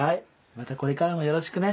またこれからもよろしくね。